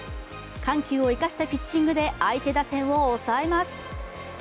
緩急を生かしたピッチングで相手打線を抑えます。